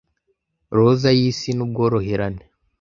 roza y'isi n'ubworoherane